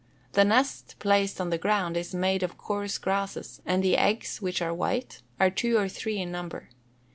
The nest, placed on the ground, is made of coarse grasses, and the eggs, which are white, are two or three in number.